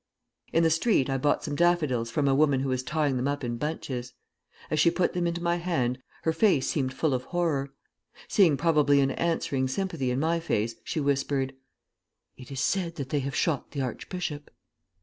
"In the street I bought some daffodils from a woman who was tying them up in bunches. As she put them into my hand, her face seemed full of horror. Seeing probably an answering sympathy in my face, she whispered: 'It is said that they have shot the archbishop.'